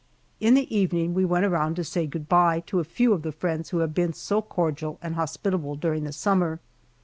In the evening we went around to say "good by" to a few of the friends who have been so cordial and hospitable during the summer.